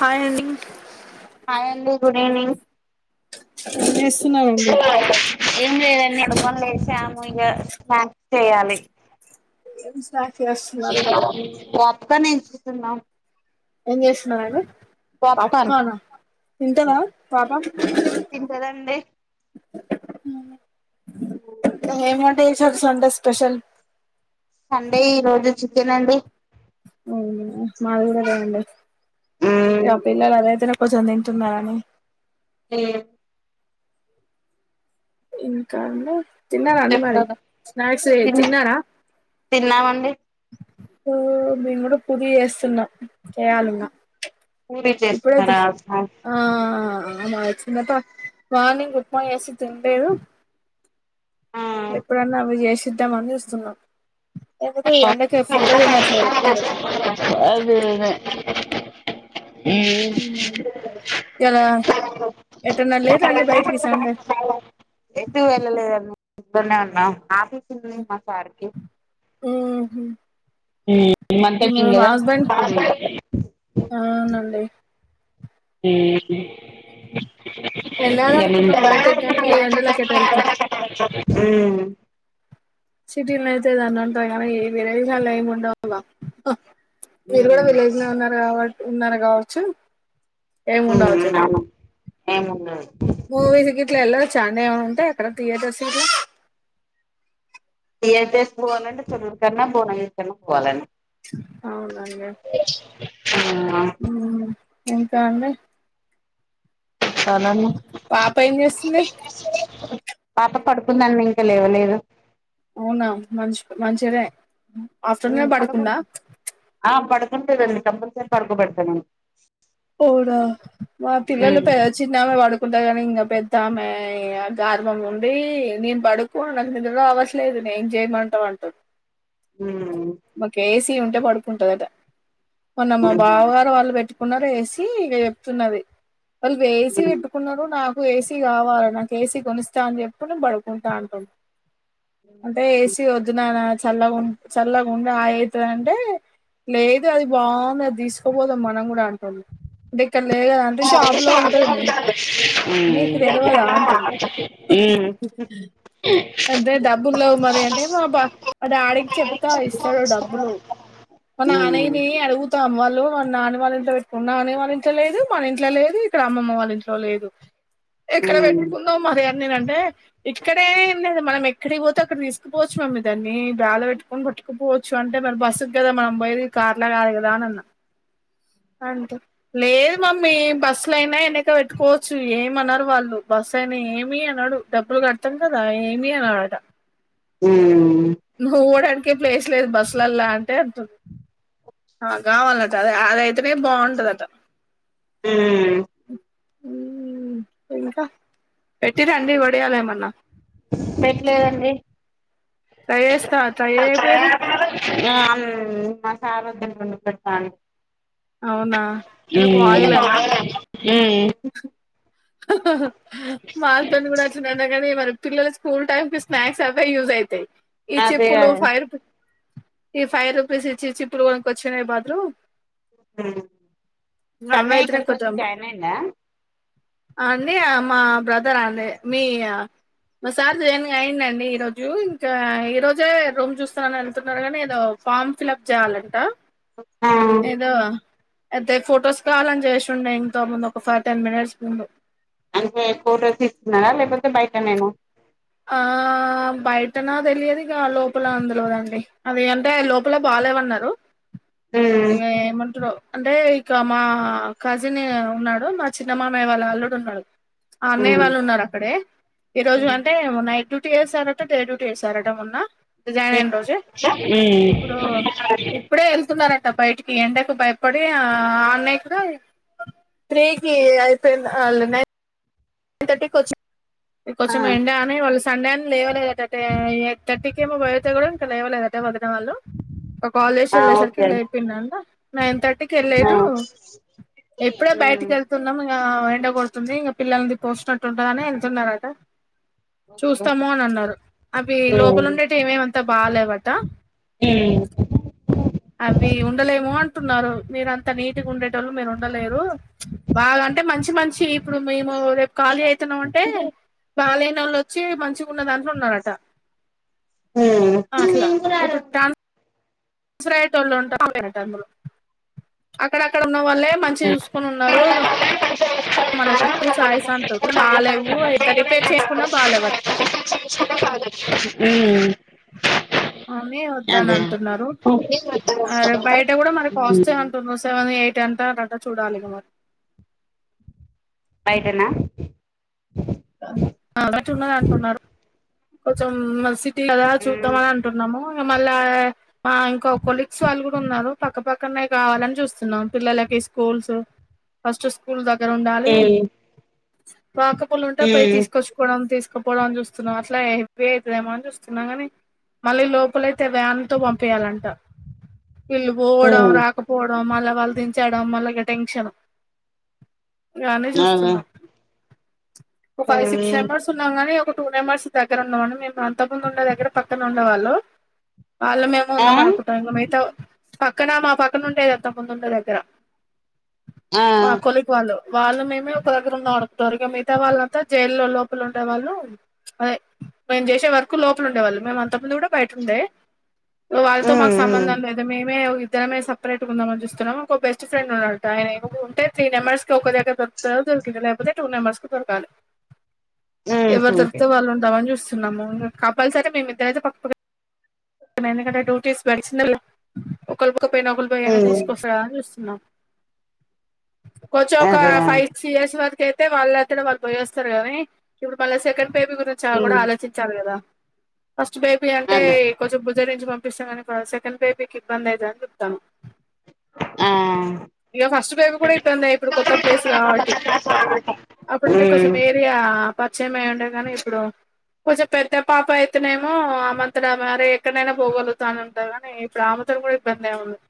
Hi అండి హయండి good evening. ఏం చేస్తున్నారండి ఏం లేద పడుకోని లేసమం. [inaudible] ఇగ స్నాక్స్ చేయాలి. ఏం స్నాక్స్ చేస్తున్నారు [inaudible] ఉత్తగనే కూసున్నాం. ఎం చేస్తున్నారండి. పాప్కాన్ తింటదా పాప. తింటరండి ఊహు ఎం వంట చే. సండే [unintelligible] స్పెషల్ సండే ఈ రోజు చికెనండి. అవునా మాది కూడా అదే అండి. మ్మ్ ఇగ పిల్లలు. అది అయితేనే, కొంచెం తింటున్నని. ఏ ఇంకా అండి. తిన్నారా అండి. మారి చెప్తాను స్నాక్స్ తిన్న తిన్నారా. తిన్నామండి ఓ మీ కూడా పూరి చేస్తున్న, చేయాలి ఇంగా పూరి ఇప్పుడే చే చేస్తున్నారా స్నాక్స్ ఆ. మా చిన్న పాప మార్నింగ్. ఉక్మ చేస్తే తినలేదు, ఆ ఎప్పుడన్నా అవిచేషి. ఇద్దాము అని చుస్తున్నా పిల్లలు అదే అదే. వక హు ఈయాల ఏటన్న లేదా అండి బయటికి సండే ఇద్దరమే ఉన్నా ఆఫస్. మా సార్ కి. ఉ మంత [unintelligible] వెళ్ళాల అనుకున్నాం బయటకి కానీ ఎండ క్కేట వెళ్తాం హే సిటీ లో అయితే దాన్న అంటా కానీ ఏ విరేశల్లో ఏమి ఉండవుాల మీరు కూడా విలేజ్ లో ఉన్నారు కాబట్టి ఉన్నార కావచ్చు ఏ ఉండవచ్చ అవును ఏముండదు మూవీస్ గట్లా ఎల్లొచా అ ఏమ ఉంటాే ఎక్కడ యేటర్స్ పోవాలండి చరువురి కన్నా పోనకన్నా పోవాలండి అవునండి ఎంకా అండి చాలమ్మా పాప ఏం చేస్తుంది పాప పడుకుందండి ఇంకా లేవలేదు అవునా మంషి మంషిగనే ఆఫ్టర్నూన్ ఏ పడకుండా అంటేదండి కంపల్సరీ పడుకోబెడతనండి పోవునా మా పిల్లలు పెద చిన్నమే వాడుకు అకుంటాగాని ఇంకా పెద్దామె ఇగ గార్వం ఉంది నేను పడుకో నాకు నిద్ర రావట్లేదు నేం చేయమంటావ్ అంటంది ఒక ఏసి ఉం ఉంటే పడుకుంటది అంట మొన్న మా బావగారు వాళ్ళు పెట్ కొనరు ఎసి సి ఇక చెప్తున్నది వాళ్ళు వేసి పెట్టుకున్నా నా నువ్వు ఏసీ కావలో నాకు ఏసీ కొనిస్తా అని చెప్పి నువ్వు పడుక్కుంటా అంటుది అంటే ఏసీ వద్దునాన్న చల్లగా చల్లగా ఉం ఆ అయి అయితది అంటే లేదు అది బాగుంది అది తీసుకోపోదాం మనం కూడా అంటుది అంటే ఇక్కడ లేవు కదా అంటే షాపు లో ఉంటది నీకు తెలివదా ఉంటుంది అంటే డబ్బుల్లో మరి అంటే మా బ మా డాడీకి చెప్తా ఇస్తాడు డబ్బులు మా నాన్నయ్యని అడుగుతా వాళ్ళ నువ్వు మా నాని వాళ్ళ ఇంట్లో నానీ వాళ్ళ ఇంట్లో లేదు మన ఇంట్లో లేదు ఇక్కడ అమ్మమ్మ వాళ్ళ ఇంట్లో లేదు ఎక్కడ పెట్టుకుందాం మరి అంట నేను ఆంటే ఇక్కడ అని ఎం లేదు మనం ఎక్కడికి పోతే అక్కడికి తీసుకుపోవచ్చు మమ్మీ దాన్ని బాగ్లా పెట్టుకని పట్టుకుపోవచ్చు అంటే మన బస్సుకి కదా మనం పోయ కార్లా కాదు కదా అని అన్నా అంటే లేదు మమ్మీ బస్సులయినా ఎన్నిక పెట్టుకోవచ్చు ఏమన్నారు వాళ్ళు బస్సు అయినా ఏమి అన్నాడు డబ్బులు కడతాం కదా ఏమి అన్నాడట నవ్యూ కూడా కే ప్లేస్ లేదు బస్సులల్లా అంటే నాకుగావాలనట అదే అదే అదై మతమే బాగుంటద ఉమ్... ఉమ్ ఇంకా పెట్టిర్రా అండి వడియాలు ఏమన్నా పెట్లేదండి ట్రై చేస్తా ట్రై చేయపోయిరు [unintelligible] కార్ వద్దని వండి పెట్టాను అవునా ఎందుకు మ్మ్ అహహా మా తోనీ కూడా వచ్చిందంట కానీ మరి పిల్లల స్కూల్ టైమ్కి స్నాక్స్ అవే యూస్ అయితాయి ఈ అదే చెప్పులు ఫై రూపీ ఈ ఫైవ్ రూపీస్ ఇచ్చి ఇచ్చి చెప్పులు కొనుక్కొచ్చే బదులు ఉమ్ కన్నయ్య అవయితేనే ఇక్కడకు వచ్చి జాయిన్ అయ్యిండా ఆ అండి మా బ్రదర్ అదే మీ మీ సార్ జాయిన్ అయిందండి ఈరోజు ఇంకా ఈరోజే రూమ్ చూస్తానని వెళ్తున్నారు కానీ ఏదో ఫామ్ ఫిల్ అప్ చెయ్యాలంట ఆ అయితే ఫోటోస్ కావాలని చేసిండే ఇంతో ముందు ఒక ఫైవ్ టెన్ మినిట్స్ డు అంటే ఫోటో తీస్తున్నారా లేకపోతే బయట నేనా ఆ బయటనా తెలియదు ఇక లోపల అని తెలువదండి అది అంటే లోపల బాలేవన్నారు మ్మ్ ఇంకా ఏమంటారో అంటే ఇక మా కజిన్ ఉన్నాడు మా చిన్నమామయ్య వాళ్ళ అల్లుడు ఉన్నాడు అన్నయ్య మ్మ్ వాళ్ళు ఉన్నారు అక్కడే ఈ రోజు మ్మ్ నైట్ డ్యూటీ వేసారట డే డ్యూటీ వేసారట మొన్న జాయిన్ అయిన రోజే ఇప్పుడు ఇప్పుడే వెళ్తున్నారట బయటికి ఈ ఎండకు భయపడి ఆన్లైన్ త్రీకిి అయిపోయింది ఆళ్లు నై నైన్ థర్టీకి వచ్చా ది ఆ కొంచెం ఎండా అని వాళ్ళు సండే అని లేవలేదు [unintelligible] [unintelligible] బయటకూడా ఇంకా లేవలేదట వాళ్ళు వాళ్ళు ఒక కాలేజ్ ఆ వెళ్ళేసరికి ఓకే లేట్ అయింది అంట నైన్ థర్టీకి ఆ వెళ్లేదు ఇప్పుడే మ్మ్ బయటికి వెళ్తున్నాం ఇక ఎండకొ ఉందే ఇంకా పిల్లలు తోసినట్టుంటదని వెళ్తున్నారట ఓకే చూస్తాము అని అన్నారు అవి లోపల ఉండేటివి ఏమేమంత బాలేేవట అవి ఉండలేమో అంటున్నారు మీరంత నీట్ ఉండేటోళ్ళు మీరు ఉండలేరు ప్చ్ వాళ్ల అంటే మంచి మనిషి ఇప్పుడు మేము ఖాళీ అయితున్నాం అంటే బాలే నోళ్ళు వచ్చి మంచిగా ఉన్న దాంట్లో ఉన్నారట అట్లా ఇప్పుడు టన్ దసరా తోళ్ళు ఉంటా అక్కడక్కడ ఉన్న వాళ్లే మంచిగ జూసుకొని ఉన్నారు ఇక మనకు చాయ్స్ అంటరు బాాలేవు అయింత రిపేర్ చేసుకున్నా బాలేవు మ్మ్ మ్మ్ అని వద్దాని అదే అంటున్నారు అ బయట కూడా మన కాస్తే అంటున్నారు స ఎయిట్ ఎంత అట చూడాలి క మరి బైటనా చున్నాయ్ అంటున్నారు కొంచెం మ సిటీ కద చూద్దాం అని అంటున్నాము అమళ మా ఇంకా కొలీగస్ వాళ్ళు కూడా ఉన్నారు పక్కపక్కనే గావాలని చూస్తున్నాం పిల్లలకి స్కూల్స్ ఫస్ట్ స్కూల్ గద దగ్గర ఉండాలి రాకపళ్ళుంటే ఉంటే పోయి తీసుకొచ్చుకోవడం తీసు కపోవడాని చూస్తున్నారు ఇట్లా హెవ్వి అఇతదేమో అని జూస్తున్నాం గాని మళ్ళీ లోపలయితే వ్యాన్ తో పంపియాలంట ఈళ్ళు పోవడం రాకపోవడం మళ్ళా వాళ్ళు దించడం మల్లిగా టెన్షన్ గానే చూస్తున్నాం అదే ఒక ఫైవ్ సిక్స్ నెంబెర్స్ ఉన్నాం గాని టు నెంబర్స్ దగ్గర ఉందామండి మేము అంత ముందు ఉండే దగ్గర పక్కన ఉండేవాళ్ళు వాళ్ళ మేముఉందా అకుంటన్నం మేమయితే పక్కన మా పక్కన ఉండేది అంత ముందు ఉండే దగ్గర ఆ ఆ మా కొలిగు వాల్లు వాళ్ళు మేమే ఒక దగ్గర ఉ నడుకుంటారు ఇక మిగతా వాళ్ళంతా జైల్లో లోపల ఉండే వాళ్ళు ద మేము చేసే వర్కు లోపల ఉండేవాళ్ళు మేము అంతమంది కూడా బయట ఉండే వాళ్ళతో మాకు సంబంధం లేదు మేమే ఇద్దరమే సపరేట్గా ఉందామని చూస్తున్నాం ఒక బెస్ట్ ఫ్రెండ్ ఉన్నట్ ఆయన ఉంటే త్రీ నెంబర్స్కిి ఒక దగ దొరుకుతుంద దరికి లేపోతే టూ మెంబర్స్ దొరకాలి ఎవరిత దని జూస్సున్నాము కపుల్స్ అయితే మేమి ద్దరందుకంటే డూటీడి ఒకక్క పన ఒకలి పోయినా తీసుకొస్తా న కొంచక అదే అదే ఆ ఫైవ్ సియర్స్ వర్ అయితే వాళ్ళఅంతట వాళ్ళు పోయేస్తారు గానీ ఇప్పుడు మళ్ళా సెకండ్ బేబీ గురించి కూడా ఆలోచించాలి కదా ఫస్ట్ బేబీ ఆ అంటే కొ జర ఇచ్చి పంపిస్తాం గానీ సెకండ్ బేబీకి ఇబ్బంది అయ్యంది అని చెప్తాను ఇగ ఫస్ట్ బేబి గూడా ఇబ్బందే ఇప్పుడు కొత్త ప్లేస్ కాబట్టి అప్పుడంటే కొంచెం ఏరియా పరిచయం కాని ఇప్పుడు కొంచెం పెద్ద పాప అయితనేమో అమంతడా మరే ఎక్కడైనా పోగలుగుతా అని అంటది గానీ ఇప్పుడు ఆమెతోలు కూడా ఇబ్బందిే ఉండదు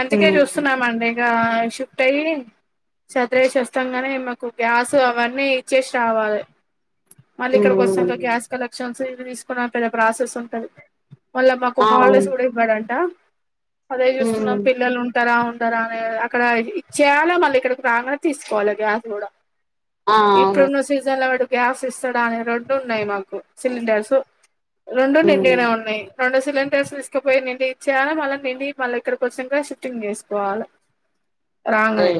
అందుకే జూస్తున్నామండి ఆ షిఫ్ట్ అయి చత్రేస్తంగానే మాకు గ్యాస్ అవన్నీ ఇచ్చేసి రావాలి మల్లిక్కడ కొచ్చినంక గ్యాస్ కలెక్షన్ తీసుకున్నా పెద్ద ప్రాసెస్ ఉంటాది మళ్ళ మాకు అవును హాలిడేస్ గూడా ఇవ్వడంట అదే జూస్తున్నాం పిల్లలు ఉంటారా అ అక్కడ చేయాల మళ్ళీ ఇక్కడకి రాంగానే తీసుకోవాలి గ్యాస్ కూడా ఆ అవును ఇప్పుడున్న సీజన్ల గ్యాస్ ఇస్తాడా అనే రొండున్నాయి మాకు సిలిండర్స్ రొండు నిండిగనే ఉన్నాయి రెండు సిలిండర్స్ తీసుకపోయి నిండి ఇచ్చేయాల మళ్ళీ నిండి మళ్ళీ ఇక్కడికి వచ్చినంక షిఫ్టింగ్ జేసుకోవాల రాంగనే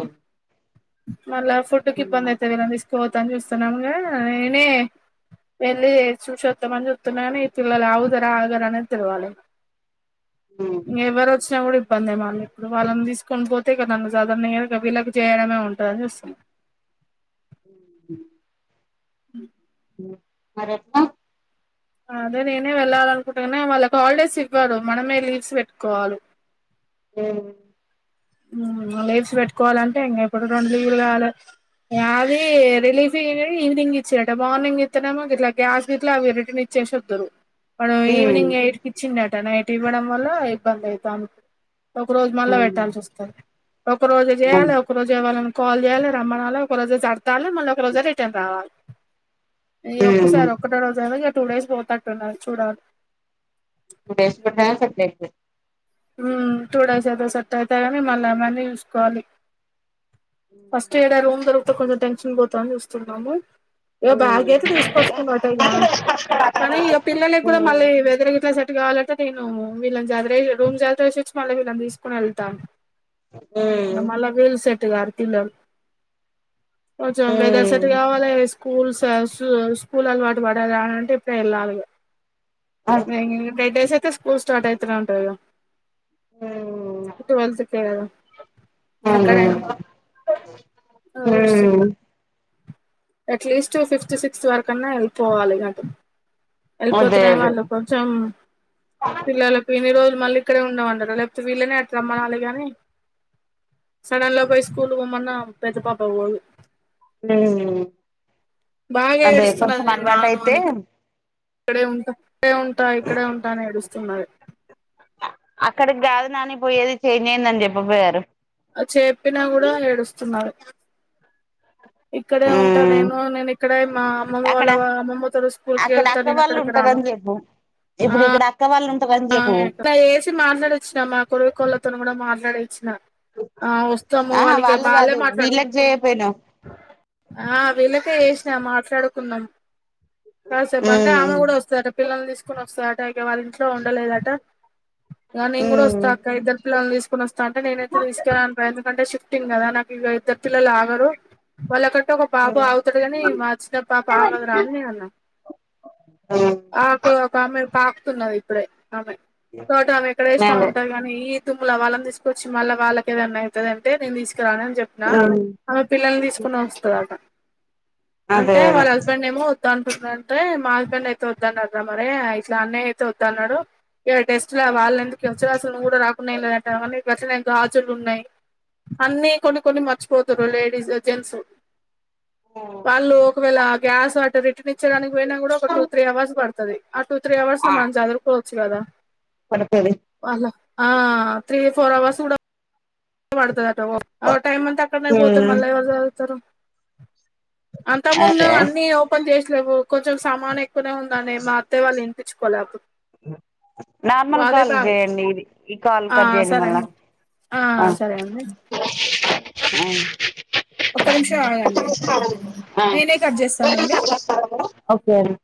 మల్ల ఫుడ్డుకి ఇబ్బందయితది గదా కోతాని చూస్తున్నాముగా నేనే యెళ్ళి చూసొద్దామని చూత్తన్నా గానీ ఈ పిల్లలు ఆగుతరా ఆగరా అనేది తెలవాలి ఎవరొచి ఇబ్బందే ఏ మల్లి ఇప్పుడు వాళ్ళని దీసుకొని పోతే ఇగ నన్ను సదరనియరు గ వీళ్ళకి చేయడమే ఉంటందిని చస్తుంది అ మరెట్ల అదే నేనే వెళ్ళాలనుకుంటున గాని వాళ్ళకాలిడేస్ ఇవ్వరు మనమే లీవ్స్ పెట్టుకోవాలి ఉ మ్ లీవ్స్ పెట్టుకోవాలంటే ఇంగ ఇప్పుడు రెండు లీవ్లు కావాలి అది రిలీఫ్ ఈవినింగ్ ఇచ్చారట మార్నింగ్ ఇస్తనే మాకు ఇట్లా గ్యాస్ గ ఇట్లా అవి రిటర్న్ ఇచ్చేస వదురు ఈవెనింగ్ ఎట్లా ఎయిట్ కిచిర్రు ఇంత నైట్ ఇవ్వడం వల్ల ఇబ్బంది అయితాంది ఒక రోజు మళ్ళ పెట్టాల్సి వస్తుంది ఒక రోజే జెయ్యల ఒక రోజే వా కాల్ జెయ్యాలి రమ్మనాల ఒక రోజు సర్దాలి మళ్ళీ ఒక రోజే రిటర్న్ రావాలి ఈ టూ ఒక్కసారి ఒక్కటి అడుగుతారు ఇ టూ డేస్ పోతట్టున్నా చూడాలి టూ డేస్ పెట్టిన పెట్టలేకపోయా హ్మ్ టూ డేస్ ఏదో సెట్ అయితే గాని మళ్ళ అమ్మని చూసుకోవాలి ఫస్ట్ ఏడా రూమ్ దొరికుతే కొంచెం టెన్షన్ పోతాని చూస్తున్నాము ఇగ బ్యాగ్ అయితే తీసుకొచ్చుకు కానీ ఇక పిల్లలకి కూడా మళ్ళీ వెదిర గిట్లా సెట్ కావాల అ నేను వీళ్ళని జాతర రూమ్ జాతర వ చ వచ్చి మళ్ళీళని తీసుకుని వెళ్తాను మల్లా వీలు సె [unintelligible] తిన్నాం కొంచెం వెదర్ సెట్ కావాలె స్కూల్స్ స్కూల్ అలవాటు పడాల అ అంటే ఇప్పుడే వెళ్ళాలిగ [unintelligible] టెటెస్ తే స్కూల్ స్టార్ట్ అయితేనే ఉంటదిగా ట్వల్త్ కే కదా ఆ ఆ ఎక్కడైనా ఆలోచిస్తున్న హ్మ్మ్ అట్లీస్ట్ ఫిఫ్త్ సిక్స్త్ వరకన్నా వెళ్ళిపోవాలి నాకు అదే వెళ్ళిపోతున్నాయి వాళ్ళు అదే కొంచెం పిల్లలకు ఇన్ని రోజు మళ్ళీ ఇక్కడే ఉందామంటారు లేకపోతే వీళ్ళనే అటు రమ్మనాలి గాని సడన్ లో పో స్కూల్ పొమ్మన్న పెద్దపాప పోదు మ్మ్ బాగా అదే ఏడుస్తున్నది కొంచెం నేను అలవాటు రాను అయితే అని ఇక్కడే ఉంట ఇక్కడే ఉంటా ఇక్కడే ఉంటా అని ఏడుస్తున్నారు అక్కడికి కాదు నాని పోయేది చేంజ్ అయిందని చెప్పపోయారు చేప్పినా గూడా ఏడుస్తున్నారు ఇక్కడే ఉంటా నేను నేను ఇక్కడే మా అమ్మమ్మ అక్కడ వాళ్ళ అమ్మమ్మతో స్కూల్ కి అక్కడ వెళ్తా అక్క నేను వాళ్ళు అక్కడకి రాను ఉంటారని చెప్పు ఆ ఇప్పుడు ఇక్కడ అక్క వాళ్ళు ఉంటారని చెప్పు ఆ వేసి మాట్లాడొచ్చినా మా కొరు కోళ్లతో కూడా మాట్లాడ నా ఆ వస్తాము ఆహా వాళ్ళకి వాళ్ళు వాళ్లేే కాదు వీళ్ళకి మాట్లాడుకోరు చేయపోయినావ్ ఆ వీళ్ళకే వేసినా మాట్లాడుకు కుందం కాసేపు అంటే ఆమె కూడా వస్తదట పిల్లల్ని తీసుకొని వస్తదట టైగా వాళ్ళ ంట్లో ఉండలేదట అ నే కూడా వస్తా అక్క ఇద్దరు పిల్లలు తీసుకుని వస్తా అంటే నేనైతే తీసుకురాన్ పెండ్స్ ఎందుకంటే ష్ టిన్ కదా నాకు ఇ ఇద్దరు పిల్లలు ఆగరు వాళ్ళ క ఒక పాప ఆగుతది కాని మా చిన్న పాప ఆగదురా అని నేనన్నా ఆ పె ఒకామె తాకుతున్నవి. ప్పుడే ఆమె తోటామె ఎక్కడ ఏసిన వుంటాది గానీ తుమ్ముల వాళ్ళని తీసుకొచ్చి మళ్ల వాళ్లకి ఏమన్నా అయితది అంటే నేను తీస్ రానని చెప్పిన అదే ఆమె పిల్లల్ని తీసుకొని వస్తదట. అదే అంటే వాళ్ళ అదే హస్బెండ్ ఏమో త అంటుందంటే మా హస్బెండ్ అయితే వద్దనట మరె ఇట్లా అన్నయ్య అయితే వ ద్దన్నడు. ఏ టెస్ట్ లో వాళ్ళెందుకు వచ్చె నువ్వు కూడా రాకుండా ఏం లేదంట అవన్నీ నచ్చినయ్ గాజులు ఉన్నాయ్. అన్ని కొన్ని కొన్ని మర్చిపోతుర్రు. లేడీస్ జెంట్స్ వాళ్లు ఒకవేళ గ్యాస్ రిటర్న్ ఇచ్చేదానికి పొయిన కూడా ఒక టూ త్రీ అవర్స్ పడతది. ఆ టూ త్రీ అవర్స్ లొ మం పోచ్చుగదా పడతది ఆ త్రీ ఫోర్ అవర్స్ కూడా వడత వొ ఆ టైమ్ అంతా అక్కడ్నె పోతె ఉమ్ మళ్ళా ఎవరు చవుతరు. అంతముందు అదే అన్నీ ఓపెన్ చేసిలేవు. కొంచెం సామానె కునె ఉన్నానే మా అత్తయ్య వాళ్ళ ఇం చ్చ్ కొలాప్ నార్మల్ కాల్ జేయండి. ఇది ఈ కాల్ కట్ చేయండి మల్ల ఆ ఏమై ఉ ఒక్క నిమిషం ఆగండి. నేనే కట్ చేస్సానండి. ఆ ఓకే అండి